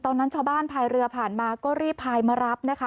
ตอนนั้นชาวบ้านพายเรือผ่านมาก็รีบพายมารับนะคะ